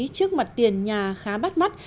trước mặt tiền nhà khá bắt mắt